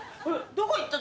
どこ行った？